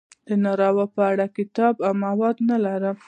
د نارو په اړه کتاب او مواد نه لرم.